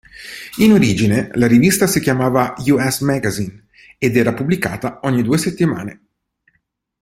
In origine, la rivista si chiamava Us Magazine ed era pubblicata ogni due settimane.